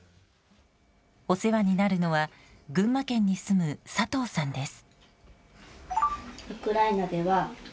お世話になるのは群馬県に住む佐藤さんです。